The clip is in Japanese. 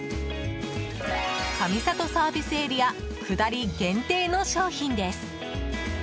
上里ＳＡ下り限定の商品です。